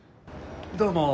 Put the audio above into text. どうも。